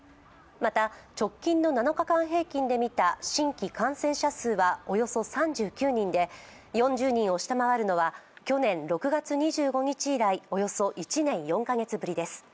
また、直近の７日間平均でみた新規感染者数はおよそ３９人で４０人を下回るのは去年６月２５日以来およそ１年４カ月ぶりです。